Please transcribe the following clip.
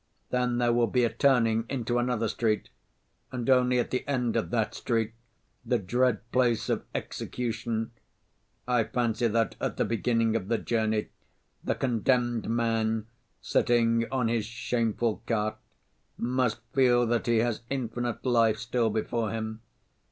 Then there will be a turning into another street and only at the end of that street the dread place of execution! I fancy that at the beginning of the journey the condemned man, sitting on his shameful cart, must feel that he has infinite life still before him.